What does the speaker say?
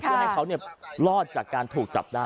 เพื่อให้เขารอดจากการถูกจับได้